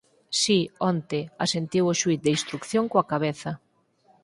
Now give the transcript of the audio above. Si, onte —asentiu o xuíz de instrución coa cabeza.